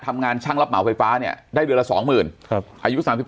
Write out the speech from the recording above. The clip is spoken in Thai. ทำงานช่างรับเหมาไฟฟ้าเนี่ยได้เดือนละ๒๐๐๐อายุ๓๒